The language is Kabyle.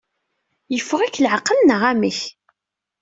Yeffeɣ-ik leɛqel, neɣ amek?